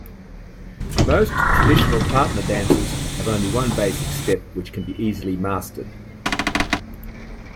Most traditional partner dances have only one basic step which can be easily mastered.